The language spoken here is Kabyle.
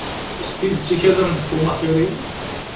S tidet ikad-am-d Tom axir-iw?